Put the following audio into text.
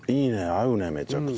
合うねめちゃくちゃ。